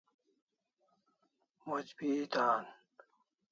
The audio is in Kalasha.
Moch bi eta an